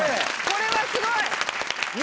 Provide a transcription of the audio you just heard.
これはすごい。